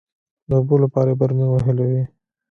د اوبو لپاره يې برمې وهلې وې.